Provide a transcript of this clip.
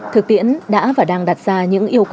thực tiễn đã và đang đặt ra những yêu cầu